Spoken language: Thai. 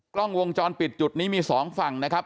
กล้องวงจรปิดจุดนี้มีสองฝั่งนะครับ